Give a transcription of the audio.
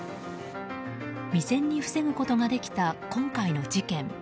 未然に防ぐことができた今回の事件。